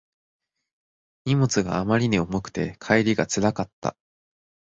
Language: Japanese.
荷物があまりに重くて帰りがつらかった